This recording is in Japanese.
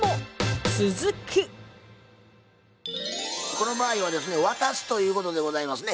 この場合はですね渡すということでございますね。